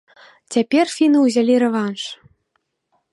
Цяпер фіны ўзялі рэванш.